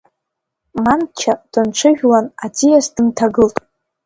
Манча дынҽыжәлан, аӡиас дынҭагылт.